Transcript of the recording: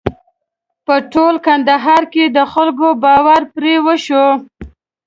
په ټول کندهار کې د خلکو باور پرې وشو.